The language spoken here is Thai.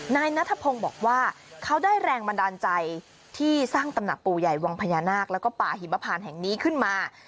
นายนัทพงศ์บอกว่าเขาได้แรงบันดาลใจที่สร้างตำหนักปู่ใหญ่วังพญานาคแล้วก็ป่าหิมพานแห่งนี้ขึ้นมา